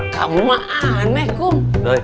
kamu mah aneh tukum